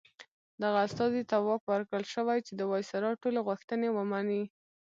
دغه استازي ته واک ورکړل شوی چې د وایسرا ټولې غوښتنې ومني.